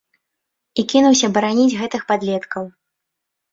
І кінуўся бараніць гэтых падлеткаў.